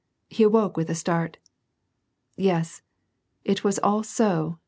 He awoke with a start. " Yes, it was all so